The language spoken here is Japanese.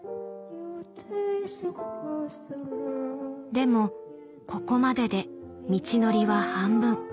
でもここまでで道のりは半分。